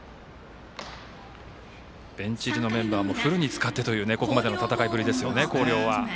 ベンチ入りのメンバーもフルに使ってというここまでの戦いぶりですよね広陵は。